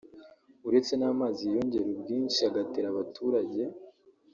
uretse n’amazi yiyongera ubwinshi agatera abaturage